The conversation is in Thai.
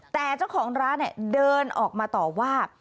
แต่เจ้าของร้านเดินออกมาต่อว่า